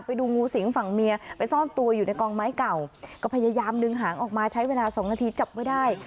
ไปดูงูสิงฝั่งเมียไปซ่อนตัวอยู่ในกองไม้เก่าก็พยายามดึงหางออกมาใช้เวลาสองนาทีจับไว้ได้